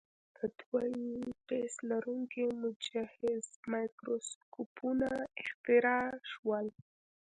د دوه آی پیس لرونکي مجهز مایکروسکوپونه اختراع شول.